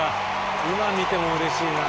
今見てもうれしいな。